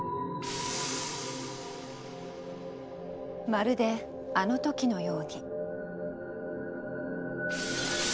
まるであの時のように。